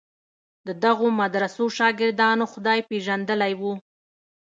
د دغو مدرسو شاګردانو خدای پېژندلی و.